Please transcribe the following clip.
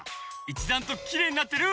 いちだんときれいになってる！